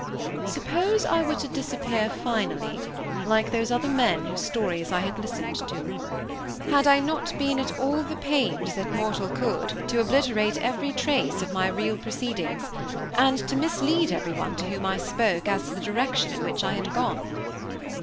Suppose I were to disappear finally, like those other men whose stories I had listened to! Had I not been at all the pains that mortal could to obliterate every trace of my real proceedings, and to mislead everyone to whom I spoke as to the direction in which I had gone?